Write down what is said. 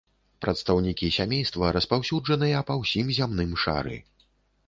Прадстаўнікі сямейства распаўсюджаныя па ўсім зямным шары.